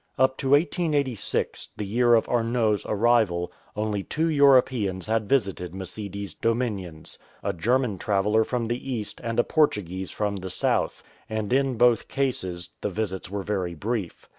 Up to 1886, the year of Arnot's arrival, only two Europeans had visited Msidi's dominions — a German traveller from the east and a Portuguese from the south ; and in both cases the visits were very brief.